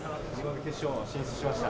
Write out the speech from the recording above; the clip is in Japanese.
決勝進出しました。